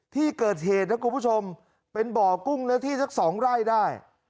ที่เกิดเหตุนะครับคุณผู้ชมเป็นบ่อกุ้งแล้วที่ถึงสองไร้ได้